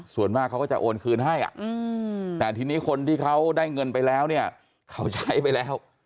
ส่วนมากเขาก็จะโอนคืนให้แต่ทีนี้คนที่เขาได้เงินไปแล้วเนี่ยเขาใช้ไปแล้ว